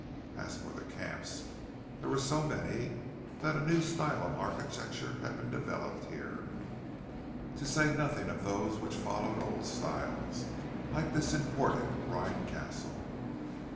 And as for the "camps," there were so many that a new style of architecture had been developed here—to say nothing of those which followed old styles, like this imported Rhine castle.